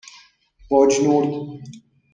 بجنورد